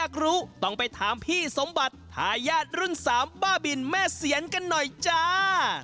ขนมบ้าบินแม่เสียนกันหน่อยจ้า